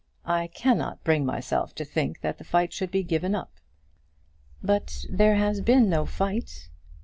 "I cannot bring myself to think that the fight should be given up." "But there has been no fight."